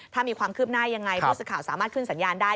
ถ้ามีความคืบหน้ายังไงผู้สื่อข่าวสามารถขึ้นสัญญาณได้